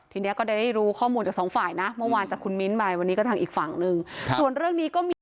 ถ้าเปิดไหล่ไปก็จะเห็นอย่างดีว่าทำไมถึงโดน